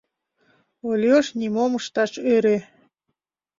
Ольош нимом ышташ ӧрӧ.